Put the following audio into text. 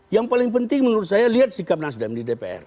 yang paling penting menurut saya lihat sikap nasdem di dpr